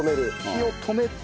火を止めて。